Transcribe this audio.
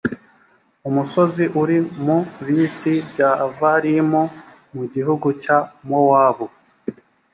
umusozi uri mu bisi by’avarimu, mu gihugu cya mowabu.